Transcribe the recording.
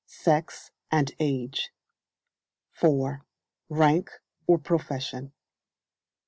Sex and age. 4. Rank or profession.